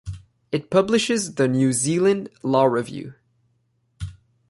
It publishes the "New Zealand Law Review".